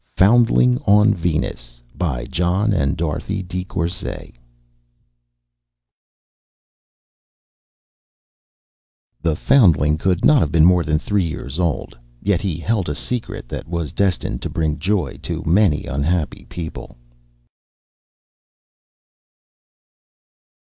_ foundling on venus by ... John & Dorothy de Courcy The foundling could not have been more than three years old. Yet he held a secret that was destined to bring joy to many unhappy people.